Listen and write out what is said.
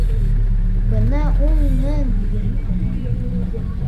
Бына ун мең бирҙе.